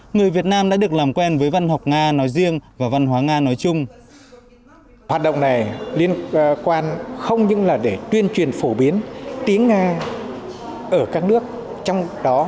người việt nam đã được làm quen với văn học nga nói riêng và văn hóa nga nói chung